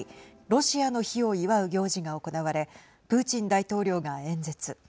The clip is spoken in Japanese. ロシアの日を祝う行事が行われプーチン大統領が演説。